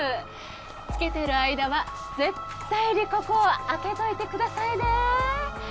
つけてる間は絶対にここを開けといてくださいね。